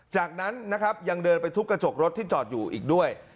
จากนั้นนะครับยังเดินไปทุบกระจกรถที่จอดอยู่อีกด้วย